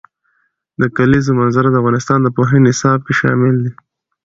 د کلیزو منظره د افغانستان د پوهنې نصاب کې شامل دي.